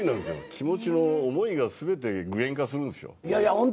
気持ちの思いが全て具現化するんですよ。